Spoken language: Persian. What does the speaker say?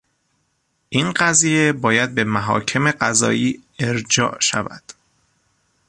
این قضیه باید به محاکم قضایی ارجاع شود.